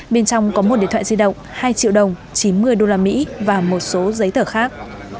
bên trong có một điện thoại di động hai triệu đồng chín mươi đô la mỹ và một số giấy tờ khác